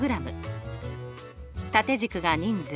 縦軸が人数。